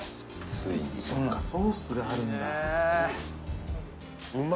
ついにそうかソースがあるんだうま